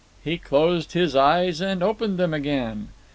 He closed his eyes and opened them again.